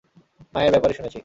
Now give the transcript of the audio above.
মায়ের ব্যাপারে শুনেছি।